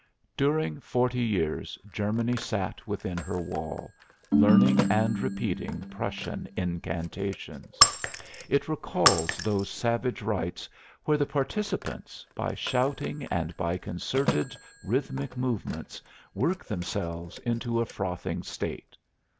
During forty years Germany sat within her wall, learning and repeating Prussian incantations. It recalls those savage rites where the participants, by shouting and by concerted rhythmic movements, work themselves into a frothing state.